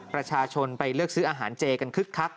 ประชาชนไปเลือกซื้ออาหารเจกันคึกคัก